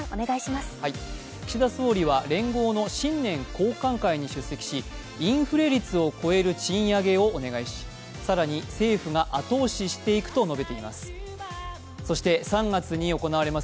岸田総理は連合の新年交歓会に出席しインフレ率を超える賃上げをお願いし、更に政府が後押ししていくと述べています。